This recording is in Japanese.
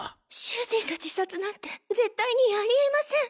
主人が自殺なんて絶対にあり得ません！